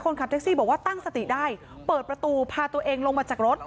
ขับแท็กซี่บอกว่าตั้งสติได้เปิดประตูพาตัวเองลงมาจากรถ